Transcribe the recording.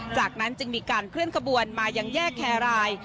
จากนั้นจึงมีการเคลื่อนขบวนมายังแยกแครราย